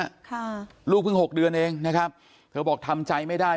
ค่ะลูกเพิ่งหกเดือนเองนะครับเธอบอกทำใจไม่ได้